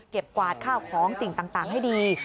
กวาดข้าวของสิ่งต่างให้ดี